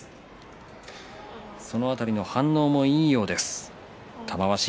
その辺りの反応もいいようです玉鷲。